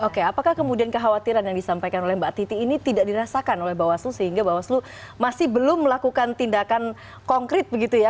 oke apakah kemudian kekhawatiran yang disampaikan oleh mbak titi ini tidak dirasakan oleh bawaslu sehingga bawaslu masih belum melakukan tindakan konkret begitu ya